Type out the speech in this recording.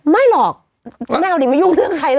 ไม่หรอกแมวหนิงไม่ยุ่งเรื่องใครล่ะ